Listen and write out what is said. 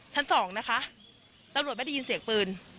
ชั้นสองนะคะตำรวจไม่ได้ยินเสียงปืน